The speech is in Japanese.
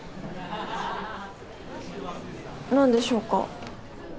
何でしょうか？